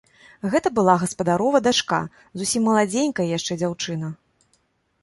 Гэта была гаспадарова дачка, зусім маладзенькая яшчэ дзяўчына.